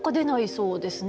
そうですね。